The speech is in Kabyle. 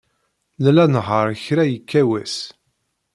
Nella nnehheṛ kra yekka wass.